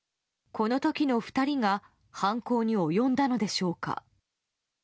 この時の２人が犯行に及んだのでしょうか。